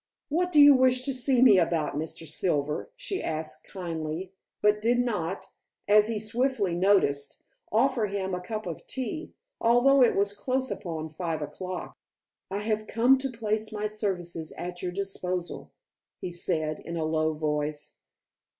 "What do you wish to see me about, Mr. Silver?" she asked kindly, but did not as he swiftly noticed offer him a cup of tea, although it was close upon five o'clock. "I have come to place my services at your disposal," he said in a low voice.